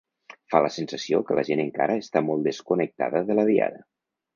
Fa la sensació que la gent encara està molt desconnectada de la Diada.